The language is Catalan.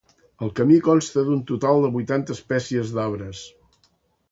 El camí consta d'un total de vuitanta espècies d'arbres.